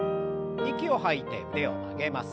息を吐いて腕を曲げます。